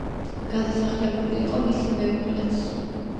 გადასახლებული იყო მისი მეუღლეც.